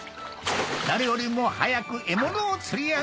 誰よりも早く獲物を釣り上げ。